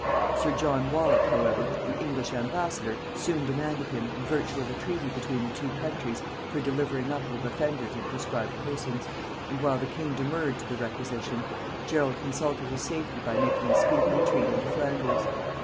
Sir John Wallop however, the English embassador, soon demanded him, in virtue of a treaty between the two countries for the delivering up of offenders and proscribed persons; and while the king demurred to the requisition, Gerald consulted his safety by making a speedy retreat into Flanders.